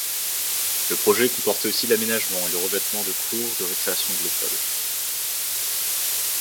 Le projet comportait aussi l'aménagement et le revêtement de cour de récréation de l'école.